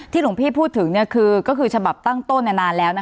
หลวงพี่พูดถึงก็คือฉบับตั้งต้นนานแล้ว